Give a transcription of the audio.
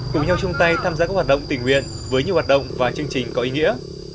cùng nhau chung tay tham gia các hoạt động tình nguyện với nhiều hoạt động và chương trình có ý nghĩa